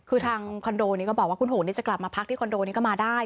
คือทางคอนโดนี้ก็บอกว่าคุณโหนี่จะกลับมาพักที่คอนโดนี้ก็มาได้